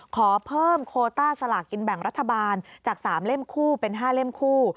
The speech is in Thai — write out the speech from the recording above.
ขอเพิ่มโคต้าสลากกินแบ่งรัฐบาลจาก๓เล่มคู่เป็น๕เล่มคู่